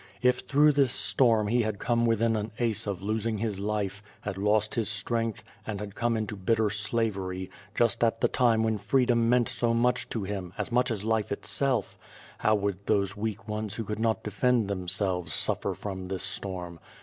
If through this storm he had come within an ace of losing his life, had lost his strength, and had come into bitter slavery, just at the time when freedom meant so much to him, as much as life itself; how would those weak ones who could not defend themselves suffer from this storm?